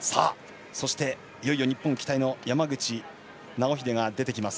そして、いよいよ日本期待の山口尚秀が出てきます。